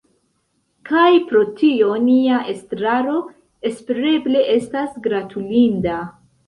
Kaj pro tio nia estraro espereble estas gratulinda.